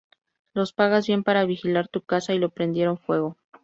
Los pagas bien para vigilar tu casa, y lo prendieron fuego.